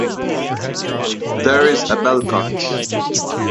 There is a bellcot.